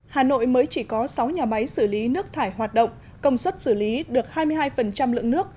hà nội mới chỉ có sáu nhà máy xử lý nước thải hoạt động công suất xử lý được hai mươi hai lượng nước